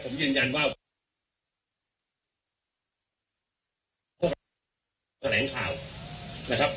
ผมยืนยันว่าแสงข่าวนะครับ